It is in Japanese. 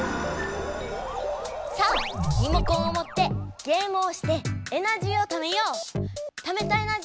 さあリモコンをもってゲームをしてエナジーをためよう！